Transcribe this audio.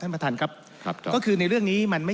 ท่านประธานก็เป็นสอสอมาหลายสมัย